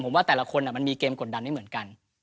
ผมว่าแต่ละคนมันมีเกมกดดันไม่เหมือนกัน